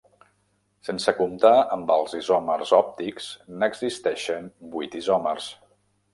Sense comptar amb els isòmers òptics n'existeixen vuit isòmers.